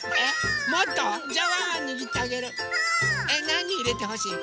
なにいれてほしい？